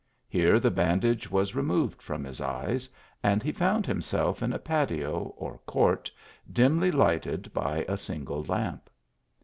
Here the bandage was removed from his eyes, and he found himself in a patio, or corn*, dimly lighted by a single lamp.